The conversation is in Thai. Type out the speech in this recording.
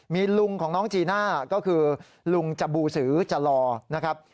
มีลุงของน้องจีน่าก็คือลุงจบูสือจลอนะครับ